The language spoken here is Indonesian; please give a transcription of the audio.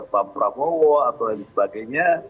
pak prabowo atau lain sebagainya